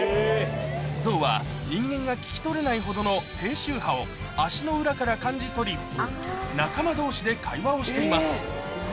ゾウは人間が聞き取れないほどの低周波を足の裏から感じ取り、仲間どうしで会話をしています。